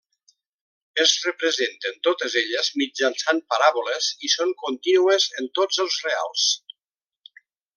Es representen totes elles mitjançant paràboles i són contínues en tots els reals.